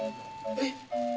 えっ？